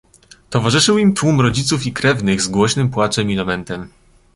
"Towarzyszył im tłum rodziców i krewnych z głośnym płaczem i lamentem."